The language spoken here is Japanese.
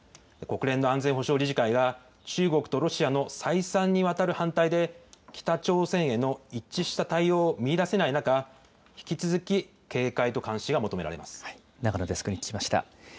国連の安全保障理事会が、中国とロシアの再三にわたる反対で、北朝鮮への一致した対応を見いだせない中、引き続き警戒と監視が求長野デスクに聞きました。